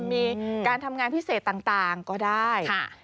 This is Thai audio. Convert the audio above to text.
มีการทำงานพิเศษต่างก็ได้